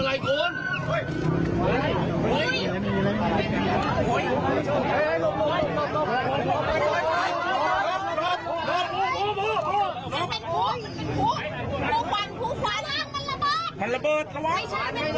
นั่นมันเป็นผู้ควัญ